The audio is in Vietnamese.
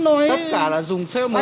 nói anh giữ cho anh anh nói với em này